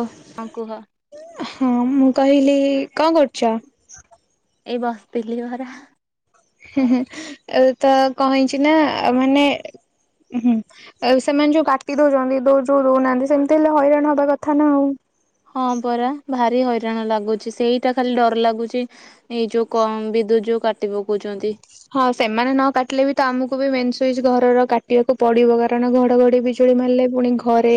ଓ ହଁ କୁହ ହଁ ମୁ? କହିଲି କଣ କରୁଛ? ଏଇ ବସଥିଲଥିଲି ଘରା। ହୁଁ ହୁଁ ଏ ତ କଇଛି ନା ମାନେ ହୁଁ ସେମାନେ ଯୋଉ କାଟି ଦଉଛନ୍ତି ଯୋଉ ଦଉନାହାନ୍ତି ସେମିତି ହେଲେ ହଇରାଣ ହବା କଥା ନା ଆଉ। ହଁ ପରା ଭାରି ହଇରାଣ ଲାଗୁଛି ସେଇଟା ଖାଲି ଡର ଲାଗୁଛି ଏଇ ଯୋଉ କ ବିଦ୍ୟୁତ ଯୋଉ କାଟି ପକାଉଛନ୍ତି। ହଁ ସେମାନେ ନ କାଟିଲେ ବି ତ ଆମକୁ ବି ମେନ୍ ସୁଇଚ ଘରର କାଟିବାକୁ ପଡିବ କାରଣ ଘଡଘଡି ବିଜୁଳି ମାରିଲେ ପୁଣି ଘରେ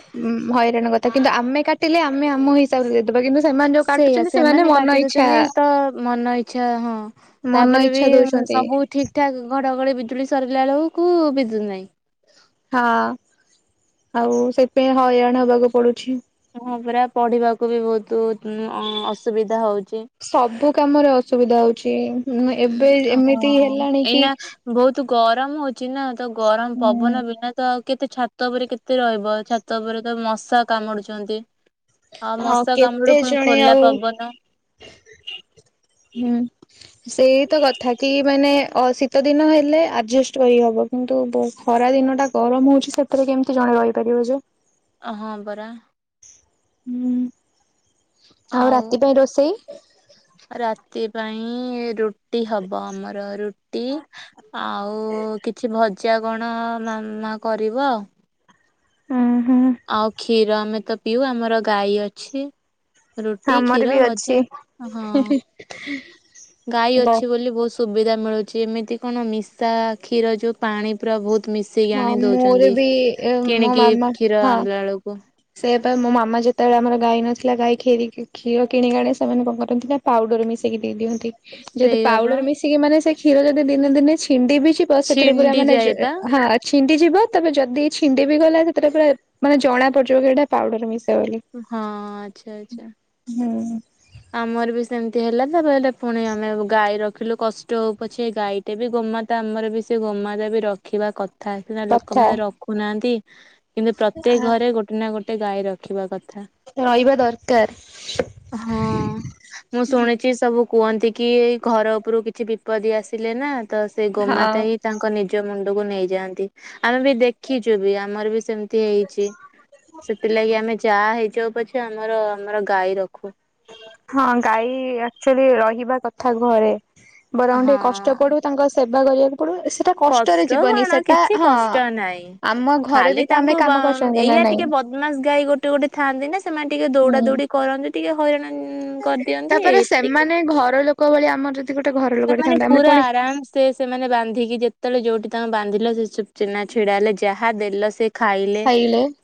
ଉ ହଇରାଣ କଥା। କିନ୍ତ ଆମେ କାଟିଲେ ଆମେ ଆମ ହିସାବରେ କିନ୍ତୁ ସେମାନେ ଯୋଉ ସେଇଆ କାଟୁଛନ୍ତି ସେମାନେ ମନ ଇଚ୍ଛା। ଆଚ୍ଛା ହଁ [inaudible] ମନ ତାପରେ ବି ଇଚ୍ଛା ଦଉଛନ୍ତି ସବୁ ଠିକ ଠାକ ଘଡଘଡି ଚୁଳି ସରିଲା ବେଳକୁ ବିଧୁ ନାହିଁ [inaudible] ହଁ ଆଉ ସେଥିପାଇଁ ହଇରାଣ ହବାକୁ ପଡୁଛି। ମୁଁ ପୁରା ପଢିବାକୁ ବି ବହୁତ ଅସୁବିଧା ହଉଛି। ସବୁ କାମରେ ଅସୁବିଧା ହଉଛି। ଏବେ ଏମିତି ହଁ ହେଲାଣି କି ଏଇନା ବହୁତ ଗରମ ହଉଛିି ନା? ତ ଗରମ ହୁଁ ପବନ ବିନା ତ କେତେ ଛାତ ଉପରେ କେତେ ରହିବ ଛାତ ଉପରେ ତ ମଶା କାମୁଡୁଛନ୍ତି। ହଁ ମଶା କେତେ କାମୁଡୁ ପୁଣି ଜଣେ ଖୋଲା ଆଉ ପବନ। ହୁଁ [inaudible] ସେଇ ତ କଥା କି ମାନେ ଅ ଶୀତ ଦିନ ହେଲେ ଆଡଜଷ୍ଟ କରି ହ ବ କିନ୍ତୁ ଖରା ଦିନ ଟା ଗରମ ହଉଛି ସେଥିରେ କେମତି ଜଣେ ରହିପାର ଯେ? ଅହଁ ପରା। ହୁଁ। [inaudible] ଆଉ ରାତି ପାଇଁ ରୋଷେଇ? ରାତି ପାଇଁ ରୁଟି ହବ ଆମର ରୁଟି ଆଉ କିଛି ଭଜା କଣ ମ କରିବ ଆଉ। ହୁଁ ହୁଁ। ଆଉ କ୍ଷୀର ଆମେ ତ ପିଉ ଆମର ଗାଈ ଅଛି। ରୁଟି ଆମର କ୍ଷୀର ବି ଭଜା ଅଛି। ହଁ [inaudible] ଗାଈ ଗ ଅଛି ବୋଲି ବୋଷ ସୁବିଧା ମିଳୁଛି ଏମିତି କଣ ମିଶା କ୍ଷୀର ଯେଉଁ ପାଣି ପୁରା ବହୁତ। ମିଶିକି ହଁ ଆଣି ମୋର ଦଉଛନ୍ତି ବି କିଣିକି କ୍ଷୀର ଆଣିଲା ବେଳକୁ। ସେଇ ପାଇଁ ମୋ ମାମା ଯେତେବେଳେ ଆମର ଗାଈ ନଥିଲା ଗାଈୀ କ୍ଷୀର କିଣିକାଣଣି ସେମାନେ କଣ କରନ୍ତି ନା ପାଉଡର ମିଶେଇକି ଦେଇଦିଅନ୍ତି। ଯେହେତୁ ସେଇଆ ବା ପାଉଡର ମିଶିକି ମାନେ ସେ କ୍ଷୀର ଯଦି ଦିନେ ଦିନେ ଛିଣ୍ଡି ବି ବ ସେଥି ପୁରା ଛିଣ୍ଡି ମାନେ ଯାଏ ବା ହଁ ଅଛି ଛିଣ୍ଡି ଯିବ ତେବେ ଯଦି ଛିଣ୍ଡି ବି ଗଲା ସେଥିରେ ପୁରା ମାନେ ଜଣା ପଡ ଯୋଗଡା ପାଉଡର ମି ହଁ ଆଚ୍ଛା ଆଚ୍ଛା। ହୁଁ ଆମର ବି ସେମିତି ହେଲା ତାପ ପୁଣି ଆମେ ଗାଈ ରଖିଲୁ କଷ୍ଟ ହଉ ପଛେ ଗାଈଟେ ବି ଗୋମାତା ଆମର ବି ସେ ଗୋମାତା ବି ରଖିବା କଥା ଥା ସନା କଥା ଲୋକମାନେ ରଖୁନାହାନ୍ତି। କିନ୍ତୁ ପ୍ରତ୍ୟେକ ଘରେ ଗୋଟେ ନା ଗୋଟେ ଗୋଟେ ଗାଈ ରଖିବା କ ରହିବା ଦରକାର। ହଁ ମୁଁ ଶୁଣିଛି ସବୁ ସବୁ କୁହନ୍ତି କି ଘର ଉପରୁ କିଛି ବିପଦ ଆସିଲେ ନା ତ ସେ ହଁ। ଗୋମାତା ହିଁ ତାଙ୍କ ନିଜ ନିଜ ମୁଣ୍ଡକୁ ନେଇଯାଆନ୍ତି। ଆମେ ବି ଦେଖିଛୁ ବି ଆମର ବି ସେମିତି ହେଇଛି ସେଥିଲାଗି ଆମେ ଯାହା ହେଇଯାଉ ପଛେ ଆମର ଆମର ଗାଈ ରଖୁ। ହଁ ଗାଈ ଚ୍ବଲି ରହିବା କଥା ଘରେ ବରଂ ହଁ ଟିକେ କଷ୍ଟ ପଡୁ ତାଙ୍କ ସେବା କରିବା କଷ୍ଟ କଣ କିଛି ହଁ। କଷ୍ଟ ନାହିଁ ଆମ ଘରେ ବି ଖାଲି ତ ଆମେ ତାଙ୍କୁ କାମ କରୁଛନ୍ତି ନା ଏଇଆ ନାଇଁ ଟିକେ ବଦମାସ ଗାଈ ଗୋଟେ ଗୋଟେ ଥାଆନ୍ତି ନା ସେମାନେ ଟିକେ ଦୌଡା ହୁଁ ଦୌଡି କରନ୍ତି ଟିକେ ହଇରାଣ କରିଦିଅନ୍ତି ତାପରେ ଏତିକି ସେମାନେ ଘର ଲୋକ ଭଳି ଆମର ଯଦି ଗୋଟେ ଘର ଲୋକଟେ ସେମାନେ ଥାନ୍ତା ଆମେ ପୁରା ପୁଣି ଆରାମ ସେ ସେମାନେ ବାନ୍ଧିକି ଯେତେବେଳେ ଯୋଉଠି ତାଙ୍କୁ ବାନ୍ଧିଲ ସେ ଚେନା ଛିଡା ହେଲେ ଯାହା ଦେଲ ସେ ଖାଇଲେ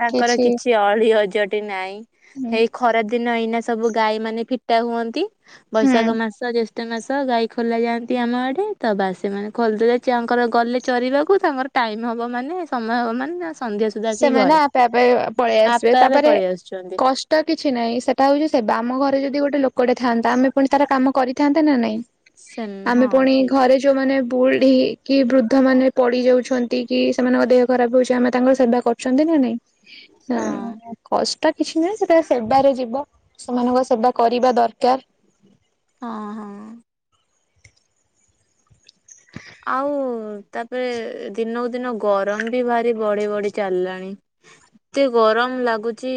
ତାଙ୍କର କିଛି ଅଳି ଅ ଟି ନାଇଁ ହୁଁ ଏଇ ଖରା ଦିନ ଏଇନା ସବୁ ଗାଈ ମାନେ ଫିଟା ହୁଅନ୍ତି ବୈଶାଖ ମାସ ଯେେଷ୍ଠ ତମେ ସହ ଗାଇ ଖୋଲା ଯାଆନ୍ତି ଆମ ଆଡ଼େ ତ ବାସ ମାନେ ଖୋୋଲିଦେ ତାଙ୍କର ଗଲେ ଚରିବାକୁ ତାଙ୍କର ଟାଇମ୍ ହେବ ମାନେ ସମୟ ହେବ ମାନେ ସନ୍ଧ୍ୟା ସୁଦ୍ଧା ଆସିକି ଘରେ ସେମାନେ ଆପେ ଆପେ ପଳେଇ ଆସିବେ ଆପେ ଆପେ ତାପରେ ପଳେଇ ଆସୁଛନ୍ତି କଷ୍ଟ କିଛି ନାହିଁ ସେଟା ହଉଛି ସେ ଆମ ଘରେ ଯଦି ଗୋଟେ ଲୋକ କଟେ ଥାନ୍ତା ଆମେ ପୁଣି ତାର କାମ କରିଥାନ୍ତେ ନା ନାଇଁ ସେମ୍ ଆମେ ହଁ ପୁଣି ଠିକ୍। ଘରେ ଯୋଉମାନେ ବୁଢ କି ବୃଦ୍ଧ ମାନେ ପଡି ଯାଉଛନ୍ତି କି ସେମାନଙ୍କ ଦେହ ଖରାପ ହଉଛି ଆମେ ତାଙ୍କର ସେବା କରୁଛନ୍ତି ନା ନାଇଁ। ହଁ କଷ୍ଟ [unintelligible] ତ କିଛି ନୁହଁ ସେଟା ସେବାରେ ଯିବ ସେମାନଙ୍କ ସେବା କରିବା ଦରକାର ହଁ ହଁ ଆଉ ତାପରେ ଦିନକୁ ଦିନ ଗରମ ବି ଭାରି ବଢି ବଢି ଚାଲିଲାଣି ଏତେ ଗରମ ଲାଗୁଚି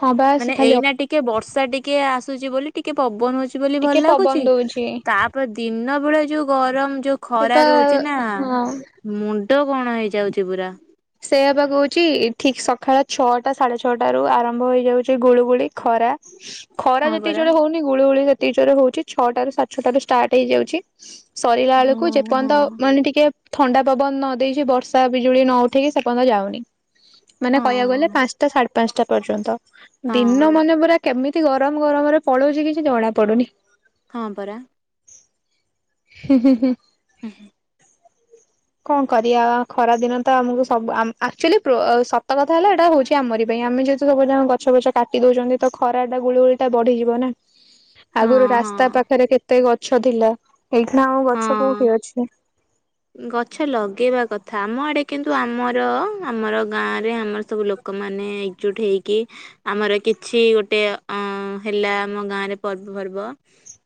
ହଁ ବା ମାନେ ସେ ଖାଲି ଏଇନା ଟିକେ ବର୍ଷ ବର୍ଷା ଟିକେ ଆସୁଛି ବୋଲି ଟିକେ ପବନ ହଉଛି ବୋଲି ଭଲ ଟିକେ ଲାଗୁଛି ପବନ ଦଉଛି ତାପରେ ଦିନ ସେଭଳିଆ ଯୋଉ ଗରମ ଯୋଉ ଖରା ସେଟା ରହୁଛି ନା ହଁ ମୁଣ୍ଡ କଣ ହେଇଯାଉଛି ପୁରା ସେ ହେବା କହୁଛି ଠିକ ସକାଳ ଛଅଟା ସାଢେ ଛଅଟ ରୁ ଆରମ୍ଭ ହେଇଯାଉଛି ଗୁଳୁଗୁଳି ଖରା ଖରା ହଁ ଯେତିକି ପରା। ଜୋର ରେ ହଉନି ଗୁଳିଗୁଳିତ ର ହଉଛି ଛଅଟା ରୁ ସାଢେ ଛଅଟାରୁ ଷ୍ଟାର୍ଟ ହେଇଯାଉଛି ସରିଲା ହଁ ବେଳକୁ ହଁ ଯେପର୍ଯ୍ୟନ୍ତ ମାନେ ଟିକେ ଥଣ୍ଡା ପବନ ନ ଦେଇେଇଛି ବର୍ଷା ବିଜୁଳି ନ ଉଠ ଠିକ ସେପଯ୍ୟ ଯାଉନି ମାନେ ହଁ କହିବାକୁ ଗଲେ ପାଞ୍ଚଟା ସାଢ଼େ ପାଞ୍ଚଟା ପର୍ଯ୍ୟନ୍ତ ଦିନ ହଁ ମନେ ପୁରରା କେମିତି ତି ଗରମ ଗରମରେ ପଳଉଛି କିଛି ଜଣା ପଡୁନି ହଁ ପରା ହୁଁ ହୁଁ ହୁଁ ହୁଁ ହୁଁ। କଣ କରିବା ଖରା ଦିନ ତ ଆମକୁ ସବୁ ଆକ୍ଚୁଆଲି ସତ କଥା ହେଲା ଏଇଟା ହଉଛି ଆମରି ପାଇଁ ଆମେ ଯେହେତୁ ସବୁ ଜଣ ଗଛ ଫଛ କାଟି ଦଉଛନ୍ତି ତ ଖରାଟା ଗୁଳି ଗୁଳି ଟା ବଢିଯିବ ନା। ହଁ ଆଗରୁ ହଁ ରାସ୍ତା ପାଖରେ କେତେ ଗ ସଦିଲା ଏଇଠା ଆମ ଗଛ ହଁ। କୋଉଠି ଅଛି। ଗଛ ଲଗେଇବା କଥା, ଆମ ଆଡେ କିନ୍ତୁ ଆମର ଆମର ଗାଁ ରେ ଆମର ସବୁ ଲୋକମାନେ ଏକଜୁଟ ହେଇକି, ଆମର କିଛି ଗୋଟେ ଅ ହେଲା ଆମ ଗାଁରେ ପର୍ବପର୍ବ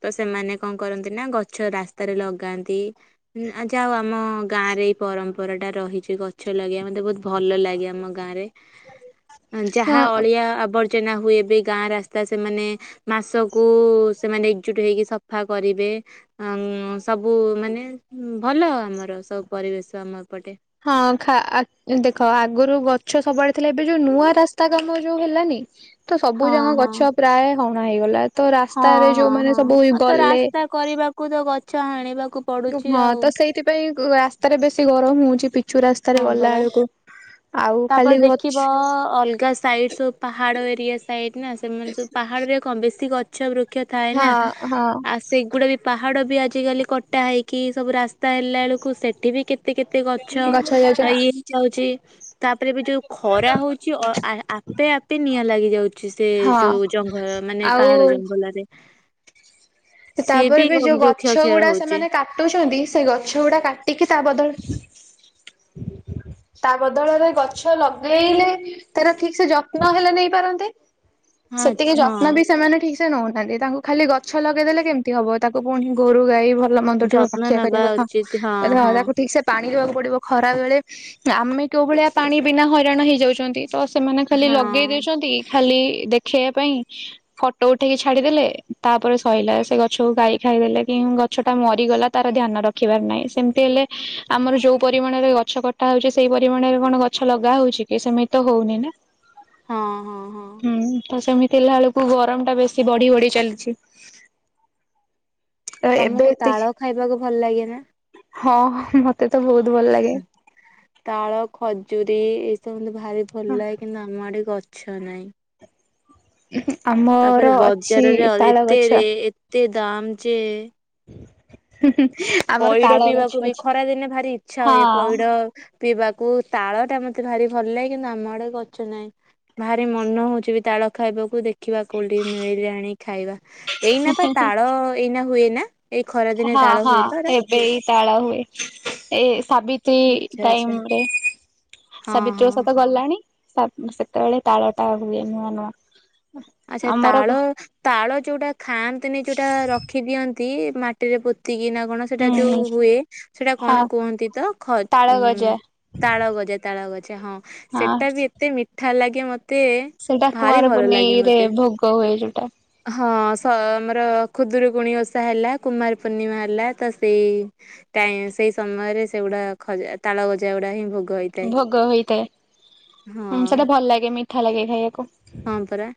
ତ ସେମାନେ କଣ କରନ୍ତି ନା, ଗଛ ରାସ୍ତା ତରେ ଲଗାନ୍ତି ଆ ଯାାଉ ଆମ ଗାଁ ରେ ଏଇ ପରମ୍ପରା ଟା ରହିଛି ଗଛ ଲଗେଇବା ମତେ ବହୁତ ଭଲ ଲାଗେ ଆମ ଗାଁ ରେ ଯାହା ହଁ ଅଳିଆ ଆବର୍ ସଚନା ହୁଏ ଏ ବି ଗାଁ ରାସ୍ତା ସେମାନେ ମାସକୁ ସେମାନେ ଏକଜୁଟ ହେଇକି ସଫା କରିବେ ମ୍ ସବୁ ମାନେ ଭଲ ଆମର ସବୁ ପରିବେଶ ଆମଏପଟେ ହଁ ଖା ଦେଖ ଆଗରୁ ଗଛ ସବୁଆଡେ ଥିଲା ଏବେ ଯୋଉ ନୂଆ ରାସ୍ତା କାମ ଯୋଉ ହେଲାନି। ତ ସବୁ ହଁ ଯାକ ହଁ ଗଛ ପ୍ରାୟ ହଣା ହେଇଗଲା ତ ହଁ ରାସ୍ତାରେ ହଁ ଯୋଉମାନୋନ ହଁ ସବୁ ଆଉ ତ ଗଲେ ରାସ୍ତା କରିବାକୁ ତ ଗଛ ହାଣିବାକୁ ପଡୁଛି ହଁ ଆଉ ତ ସେଇଥିପାଇଁ ରାସ୍ତାରେ ବେଶୀ ଗରମ ହଉଛି। ପିଚୁ ରାସ୍ତାରେ ହଁ ଗଲା ପରା ବେଳକୁ। ଆଉ ଖାଲି ତାପରେ ଗଛ ଦେଖିବ ଅଲଗା ସାଇଡ ସୁ ପାହାଡ଼ ଏରିଆ ସାଇଡ ନା ସେମାନେ ସବୁ ପାହାଡ଼ରେ କଣ ବେଶୀଗ। ଚବୁ ଥାଏ ନା ହଁ ହଁ ଆଉ ସେଗୁଡା ବି ପାହାଡ ବି ଆଜିକାଲି କଟା ହେଇକି ସବୁ ରାସ୍ତା ହେଲା ବେଳକୁ ସେଠି ବି କେତେ କେତେ କେତେ ଗଛ ଆଉ ଇଏ ହିଁ ଚାଉଛି। [unintelligible] ତାପରେ ବି ଯୋଉ ଖରା ହଉଛି ଆପେ ଆପେ ନିଆଁ ଲାଗି ଛି ସେ ହଁ ଯୋଉ ଜଙ୍ଗଲ ମାନେ ଆଉ ପାହାଡ ଜଙ୍ଗଲରେ ସିଏ ତାପରେ ବି ଗ- ଯୋଉ ବୃକ୍ଷ ଗଛ କ୍ଷୟ ଗୁଡା ହଉଛି। ସେମାନେ କାଟୁଛନ୍ତି ସେ ଗଛ ଗୁଡା କାଟିକି ତା ବଦଳ। ତା ବଦଳରେ ଗଛ ଲଗେଇଲେ ତାର ଠିକ ସେ ଯତ୍ନ ହେଲେ ନେଇ ପାରନ୍ତେ। ହଁ ସେତିକି ଆଚ୍ଛା ଯତ୍ନ ହଁ ବି ସେମାନେ ଠିକ ନଉନାହାନ୍ତି ତାଙ୍କୁ ଖାଲି ଗଛ ଲଗେଇଦେଲେ କେମତି ହବ ତାକୁ ପୁଣି ଗୋରୁ ଗାଈ ଭଲ। ଭଲ ମନ୍ଦ ଯତ୍ନ ପାଖିଆ ନେବା କରିବା ଉଚିତ କଥାଁ ହଁ ତାକୁ ଠିକ ସେ ପାଣି ଦବାକୁ ପଡିବ। ଖରା ବେଳେ ଆମେ କେଉ ଭଳିଆ ପାଣି ବିନା ହଇରାଣ ହେଇଯାଉଛନ୍ତି। ତ ସେମାନେ ହଁ ଖାଲି ହଁ ଲଗେଇ ଦଉଛନ୍ତି ଖାଲି ଦେଖେଇବା ପାଇଁ ଫଟୋ ଉଠେଇକି ଛାଡିଦେଲେ ତାପରେ ସଲା ସେ ଗଛକୁ ଗା ଖାଇ ଦେେଲେ କି ଗଛ ଟା ମରିଗଲା ତାର ଧ୍ୟାନ ରଖିବାର ନାହିଁ ସେମିତି ହେଲେ ଆମର ଯୋଉ ପରିମାଣରେ ଗଛ କଟା ହଉଛି ସେଇ ପରିମାଣରେ କଣ ଗଛ ଲଗା ହଉଛି କି ସେମିତି ତ ହଉନି ନା। ହଁ ହଁ ହଁ। ଥିଲା ବେଳକୁ ଗରମ ଟା ବେଶୀ ବଢି ବଢି ଚାଲିଛି। ତ ଏବେ ତମକୁ ଏତିକି ତାଳ ଖାଇବାକୁ ଭଲ ଲାଗେ ନା ହଁ ମତେ, ଏତେ ତ ବହୁତ ଭଲ ଲାଗେ। ତାଳ ଖଜୁରୀ ଏଇସବୁ, ଭାରି ଭଲ ଲାେ କିନ୍ତୁ ଆମ ଆଡେ ଗଛ ନାହିଁ। ଆମର ତାପରେ ଅଛି ବଜାରରେ ଆଉ ତାଳ ଗଛ ଏତେରେ ଏତେ ଦାମ୍ ଯେ ହୁଁ ହୁଁ ଆମର ପଇଡ ତାଳ ଗଛ ପିଇବାକୁ ବି ଅଛି। ଖରା ଦିନେ ଭାରି ଇଚ୍ଛା ହୁଏ ହଁ ପଇଡ ପିଇବାକୁ ତାଳ ଟା ମତେ ଭାରି ଭଲ ଲାଗେ କିନ୍ତୁ ଆମ ଆଡେ ଗଛ ନାହିଁ ଭାରି ମନେ ହଉଛି ବି ତାଳ ଖାଇବାକୁ ଦେଖ ଦେଖିବା କୋଉଠି ମିଳିଲେ ଆଣି ଖାଇବା ଏଇନା ପା ତାଳ ଏଇନା ହୁଏନା? ଏଇ ଖରାଦିନେ ହଁ ତାଳ ହଁ ହୁଏ ଏବେ ଏଇ ତାଳ ହୁଏ ।ଏ ଆଚ୍ଛା ଟାଇମ୍ ଆଚ୍ଛା ରେ ହଁ ସାବିତ୍ରୀ ହଁ। ଓଷା ତ ଗଲାଣି। ତା ସେତେବେଳେ ତାଳଟା ହୁଏ ନୂଆ ନୂଆ। ଆଛା ଆମର ତାଳ ହୁଁ ତାଳ ଯୋଉଟା ଖାଆନ୍ତିନି ଯୋଉଟା ରଖି ଦିଅନ୍ତି। ମାଟିରେ ପୋତ୍ ଏତିକି ନା କଣ ସେଟା ଯୋଉ ହୁଁ ହୁଏ ସେଟା ହଁ କଣ କୁହନ୍ତି ତ ଖ ତାଳ ଉଁ ଗଜା ତାଳ ଗଜା ତାଳ ଗଜା। ଆଛା ହଁ ସେଟା ବି ଏତେ ମି ଠା ଲାଗେ ମତେ। ମତେ ସେଇଟା ଭାରି କୁଆଁର ଭଲ ଲାଗେ ପୁନେଇରେ ମତେ। ଭୋଗ ହୁଏ ଯୋଉଟା ହଁ ସା ଆମର। ଖୁଦରୁକୁୁଣି ଓଷା ହେଲା କୁମାର ପୂର୍ଣ୍ଣିମା ହେଲା ତ ସେଇ ଟାଇମ୍ ସେଇ ସମୟରେ ସେଗୁଡା ଖଜା ତାଳ ଗଜା ଗୁଡା ହିଁ ଭୋଗ। ହେଇଥାଏ ଭୋଗ ହୋଇଥାଏ। ହଁ ହୁଁ ସେଟା ଭଲ ଲାଗେ। ମିଠା ଲାଗେ ଖାଇବାକୁ। ହଁ ପରା।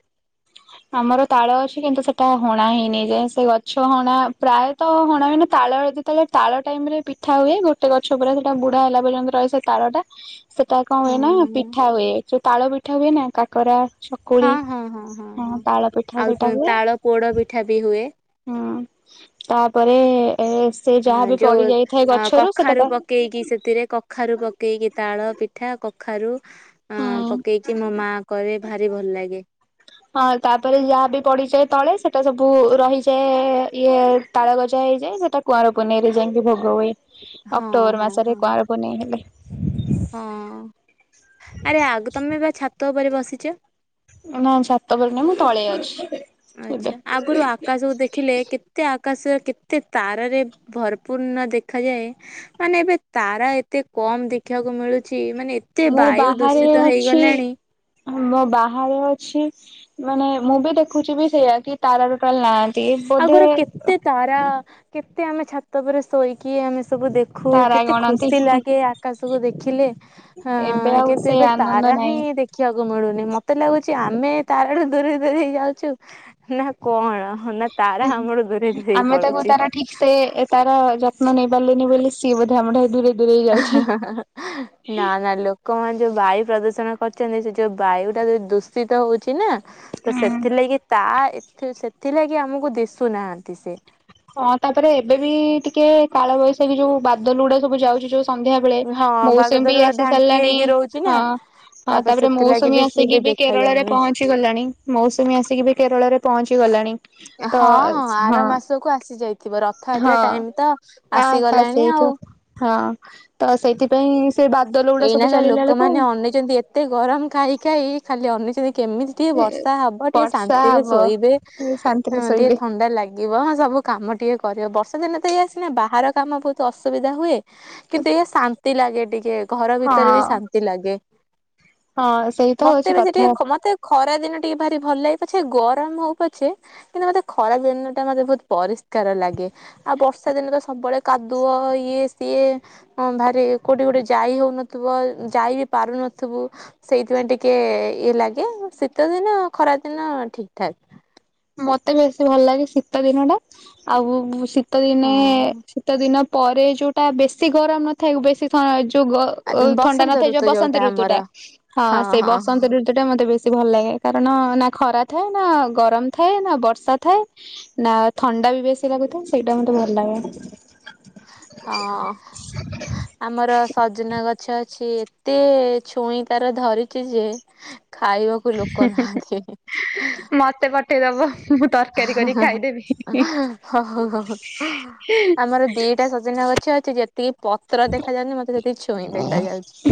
ଆମର ତାଳ ଅଛି କିନ୍ତୁ ସେଟା ହଣା ହେଇନି ଏ ଯାଏଁ ଯେ ସେ ଗଛ ହଣା ପ୍ରାୟତଃ ହଣା ହୁଏନ ତାଳ ହେଇକି ଯେତେବେଳେ ତାଳ ଟାଇମ ରେ ପିଠା ହୁଏ ଗୋଟେ ଗଛ ପୁରା ସେଟା ବୁଢା ହେଲା ପର୍ଯ୍ୟନ୍ତ ରହେ ସେ ତାଳ ଟା। ସେଟା କଣ ହଁ ହୁଏ ନା ପି ହଁ ହୁଏ ଯଉ ତାଳ ପିଠା ହୁଏ ନା କାକରା ହଁ ଚକୁଳି ହଁ ହଁ ହଁ ହଁ ତାଳ ପିଠା ଆଉ ସେଟା ପୁଣି ତାଳ ପୋଡ ପିଠା ବି ହୁଏ। ହଁ ତାପରେ ଏ ସେ ହଁ ଯାହାବି ଯୋଉ ପଡି ଯାଇଥାଏ ଆଁ ଗଛରୁ ସେଟା କଖାରୁ ତା ପକେଇକି ସେଥିରେ କଖାରୁ ପକେଇକି ତାଳ ପିଠା କଖାରୁ। ଉଁ ହୁଁ ପକେଇକି ମୋ ମା କରେ ଭାରି ଭଲ ଲାଗେ। ହଁ ତାପରେ ଯାହା ବି ପଡିଯାଏ ତଳେ ସେଟା ସବୁ ରହିଯାଏ ଇଏ ତାଳ ଗଜା ହେଇଯାଏ। ସେଟା କୁଆଁରପୁନେଇଁ ରେ ଯାଇଁକି ଭୋଗ ହୁଏ। ହଁ ଅକ୍ଟୋବର ହଁ ହଁ ମାସରେ କୁଆଁର ପୁନେଇ ହେଲେ। ହଁ ଆରେ ଆଗ ତମେ ବା ଛାତ୍ ତ ଉପରେ ବସିଚ। ନା ଛାତ ଉପରେ ନୁହ ମୁଁ ତଳେଅଛି। ଆଚ୍ଛା। ଆଗରୁ ଆକାଶକୁ ଦେଖିଲେ କେତେ ଆକ୍ ଆକାଶରେ କେତେ ତାରାରେ ଭରପୂର୍ଣ ଦେଖାଯାଏ। ମାନେ ଏବେ ତାରା ଏତେ କମ୍ ଦେଖିବାକୁ ମିଳୁଛି। ତେ ଏ ମାନେ ଏତେ ମୁଁ ବାୟୁ ବାହାରେ ଦୂଷିତ ଅଛି ହେଇଗଲାଣି। ମୁଁ ବାହାରେ ଅଛି। ମାନେ ମୁଁ ବି ଦେଖୁଛି ବି ସେଇଆ କି ତାରା ଟୋଟାଲ୍ ନାହାଁନ୍। [unintelligible] ବୋଧେ ଆଗରୁ କେତେ ତାରା କେତେ ଆମେ ଛାତ ଉପରେ ଶୋଇକି ଆମେ ସବୁ ଦେଖୁ। ତାରା କେତେ ଗଣନ୍ତି ଖୁସି ଲାଗେ ଆକାଶକୁ ଦେଖିଲେ? ହଁ ଏବେ ଅ ଆଉ କିନ୍ତୁ ସେ ଏବେ ଆନନ୍ଦ ତାରା ହିଁ ନାହିଁ ଦେଖିବାକୁ ମିଳୁନି। ମୋତେ ଲାଗୁଛି ଆମେ ତାରାଠୁ ଦୂରେଇ ଦୂରେଇ ଯାଉଛୁ। [unintelligible] ନା କଣ ହଁ? ଉହୁଁ। ଆମେ ତାକୁ ତାର ଠିକ୍ ସେ ତାର ଯ ନ ନେଇ ପାରିଲିନି ବୋଲି ସିଏ ବୋଧେ ଆମ ଠାରୁ ଦୂରେଇ ଦୂରେଇ ଅହା ଯାଉଛି। ହା ହା ହା ନା ନା ଲୋକମାନେ ଯୋଉ ବାଇକ୍ ପ୍ରଦୂଷଣ କରୁଚନ୍ତି। ସେ ଯୋଉ ବାୟୁ ଟା ଯୋଉ ଦୂଷିତ ହଉଚି ନା? ତ ହୁଁ ସେଥିଲାଗି ତା ଏ [unintelligible] ଥିଲାଗି ଆମକୁ ଦିଶୁନାହାନ୍ତି ସେ। ହଁ ତାପରେ ଏବେ ବି ଟିକେ କାଳବୈଶାଖୀ ଯୋଉ ବାଦଲଗୁଡା ସବୁ ଯାଉଛି ଯୋଉ ସନ୍ଧ୍ୟା ବେଳେ ହଁ ମୌସୁମୀ ବି ବାଗଦାରୁରା ଆସି ଢାଙ୍କି ସାରିଲାଣି। ହେଇକି ରହୁଛି ନା ହଁ ତାପରେ ସେଥିଲାଗି ବି ମୌସୁମୀ ସିଏ ଆସିକି ବି ଦେଖା କେରଳରେ ଯାଉନି। ପହଞ୍ଚି ଗଲାଣି। ମୌସୁମୀ ଆସିକି ବି କେରଳରେ ପହଞ୍ଚ୍। [unintelligible] ଗଲାଣି ତ ହଁ ହଁ। ଆର ମାସକୁ ଆସି ଯାଇ। ଥିବ। ରଥଯାତ୍ରା ହଁ ଟାଇମ ତ ଆ ହା ଆସିଗଲାଣି ଆଉ। ସେଇଠୁ ହଁ ତ ସେଇଥିପାଇଁ ସେ ବାଦଲ ଗୁଡା ଏଇନା ସବୁ ଖାଲି ଚାଲିଲା ବେଳକୁ ଲୋକମାନେ ଅନେଇଛନ୍ତି ଏତେ ଗରମ ଖାଇ ଖାଇ ଖାଲି ଅନି କେମିତି ଟିକେ ବର୍ଷା ହବ ଟିକେ ବର୍ଷା ଶାନ୍ତିରେ ହବ। ଶୋଇବେ। ଶାନ୍ତିରେ ହୁଁ ଟିକେ ଶୋଇବେ ଥଣ୍ଡା ଲାଗିବ। ହଁ ସବୁ କାମ ଟିକେ କରିହବ। ବର୍ଷା ଦିନ ତ ଏଇଆ ସିନା ବାହାର କାମ ବହୁତ ଅସୁବିଧା ହୁଏ। କିନ୍ତୁ ଏ ଓ ଶାନ୍ [unintelligible] ଲାଗେ ଟିକେ। ଘର ହଁ ଭିତରେ ବି ଶାନ୍ତି ଲାଗେ। ହଁ ସେଇ ତ ମତେ ହଉଛି ବେଶୀ କଥା। ଟିକେ ମତେ ଖରା ଦିନ ଟିକେ ଭାରି ଭଲ ଲାଗେ ପଛେ ଗରମ ହଉ ପଛେ କିନ୍ତୁ ମୋତେ ଖରା ଦିନ ଟା ମୋତେ ବହୁତ ପରିଷ୍କାର ଲାଗେ। ଆଉ ବର୍ଷା ଦିନେ ତ ସବୁବେଳେ କାଦୁଅ ଇଏ ସିଏ ଭାରି କୋଉଠି ଗୋଟେ ଯାଇ ହୋଉନଥିବ ଯାଇ ବି ପାରୁନଥିବୁ ସେଇଥିପାଇଁ ଟିକେ ଇଏ ଲାଗେ ଶୀତ ଦିନ ଖରାଦିନ ଠିକ ଠାକ୍। ମୋତେ ବେଶୀ ଭଲ ଲାଗେ ଶୀତ ଦିନ ଟା ଆଉ ଶୀ ଶୀତ ଦିନେ ହଁ ଶୀତ ଦିନ ପରେ ଯୋଉଟା ବେଶୀ ଗରମ ନଥାଏ ବେଶୀ ଥ ଗ ଥଣ୍ଡା ବସନ୍ତ ନଥାଏ ଯୋ ଋତୁ ଯୋଉଟା ବସନ୍ତ ଋତୁ ଆମର ଟା ହଁ ସେଇ ବସନ୍ତ ଋତୁ ଟା ମୋତେ ବେଶୀ ଭଲ ଲାଗେ। କାରଣ ନା ଖରା ଥାଏ ନା ଗରମ ଥାଏ ନା ବର୍ଷା ଥାଏ ନା ଥଣ୍ଡା ବି ବେଶୀ ଲାଗୁଥାଏ ସେଇଟା ମୋତେ ଭଲ ଲାଗେ। ହଁ ଆମର ସଜନା ଗଛ ଅ ଛି ଏତେ ଛୁଇଁ ତାର ଧରିଛି ଯେ ଖାଇବାକୁ ଲୋକ ନାହାନ୍ତି। କିଏ ଦବ? [inaudible] ଆମର ଦିଟା ସଜନା ଗଛ ଅଛି ଯେ ଟିକେ ପତ୍ର ଦେଖା ଯାଉନି ମତେ ସେତିକି ଛୁଇଁ ଦେଖ ଯାଉଛି। [inaudible]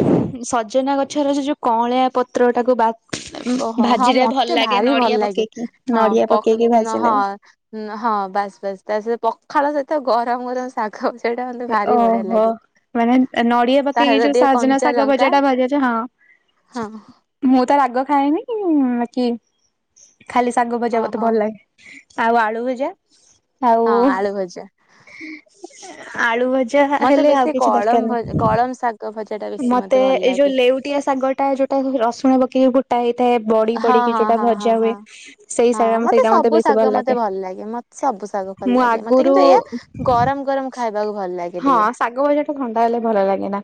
ତ୍ରଟାକୁ ବା ଓହୋ ହଁ ଭାଜିଲେ ଭଲ ମତେ ଲାଗେ ଭାରି ନଡିଆ ଭଲ ଲାଗେ ପକେଇକି ହଁ ନଡିଆ ପକେଇକି ଭାଜିଲେ ହଁ ହଁ ବାସ୍ ବାସ୍ ତା ସହିତ ପ ଖାଳ ସହିତ ଗରମ ଗରମ ଶା ଓହୋ ମାନେ ନଡିଆ ତା ପକେଇକି ସହିତ ଯୋଉ ଟିକେ ସଜନା କଞ୍ଚା ଶାଗ ଲଙ୍କା ଭଜା ଟା ଭଜି ଅଛି ହଁ ହଁ ମୁଁ ତ ରାଗ ଖାଇ ନ କିି [inaudible] ଖାଲି ଶାଗ ଭଜାତେ ଓହୋ ଭଲ ଲାଗେ। ଆଉ ଆଳୁ ଭଜା? ଆଉ ହଁ ଆଳୁଭଜା [inaudible] ଆଳୁ ଭ ମତେ ବେଶୀ କଳମ କଳମ ଶାଗ ଭଜ ମତେ ଏଇ ଯୋଉ ଲେଉଟିଆ ଶାଗ ଟା ଯୋଉଟା ରସୁଣ ବକ କି ଗୋଟାଏ ମେ ବଡି ହଁ ପଡି କି ହଁ ଯୋଉଟା ହଁ ହଁ ଭଜା ହୁଏ ହଁ। ସେଇ ହଁ ସେଇଟା ମତେ ସବୁ ବେଶୀ ଭଲ ଶାଗ ମତେ ଲାଗେ ମତେ ସବୁ ଶାଗ ଭଲ ମୁଁ ଲାଗେ ମତେ ଆଗରୁ କିନ୍ତୁ ଏଇଆ ଗରମ ଗରମ ଖାଇବାକୁ ଭଲ ଲାଗେ ହଁ ଟିକେ ଶାଗ ଭଜା ଟା ଥଣ୍ଡା ହେଲେ ଭଲ ଲାଗେ ନା।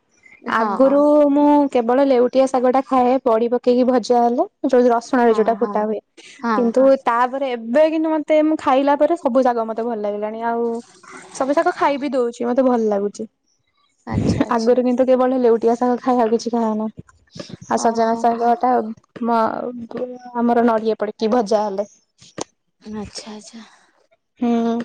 ହଁ ଆଗରୁ ମୁଁ ହଁ କେବଳ ଲେଉଟିଆ ଶାଗ ଟା ଖାଏ ପଡି ପକେଇକି ଭଜା ହେଲେ। ଯୋଉି ରସୁଣ ରେ ହଁ ଯୋଉଟା ହଁ ଫୁଟା ହୁଏ। ହଁ କିନ୍ତୁ ହଁ ତାପରେ ଏ [unintelligible] ମତେ ମୁଁ ଖାଇଲା ପରେ ସବୁ ଜାଗ ମତେ ଭଲ ଲାଗିଲାଣି ଆଉ ସବୁ ଜାଗ ଖାଇବି ଦଉଛି। ମତେ ତେ ଭଲ ଲାଗୁଛି। ଆଚ୍ଛା ଆଚ୍ଛା। ଖାଲି ଲେଉଟିଆ ସାଗ ଖାଏ ଆଉ କିଛି ଖାଏ ନା। ଆଉ ସଜନା ଓହୋ ଶାଗ ଟା ମ ପୁର ଆମର ନଡିଆ ପଡିକି ଭଜା ହେଲେ। ଆଛା ଆଚ୍ଛା। ହଁ।